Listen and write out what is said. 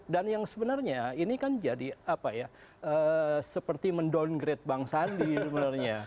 dan yang sebenarnya ini kan jadi seperti mendowngrade bang sandi sebenarnya